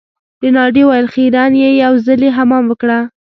رینالډي وویل خیرن يې یو ځلي حمام وکړه.